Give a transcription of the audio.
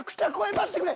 待ってくれ！